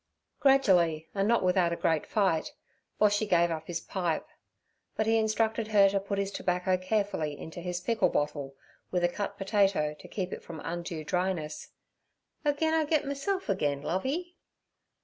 Gradually, and not without a great fight, Boshy gave up his pipe. But he instructed her to put his tobacco carefully into his pickle bottle, with a cut potato to keep it from undue dryness—'agin' I git meself again, Lovey.'